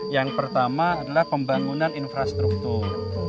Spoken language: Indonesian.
yang pertama adalah pembangunan infrastruktur